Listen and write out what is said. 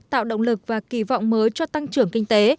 tạo động lực và kỳ vọng mới cho tăng trưởng kinh tế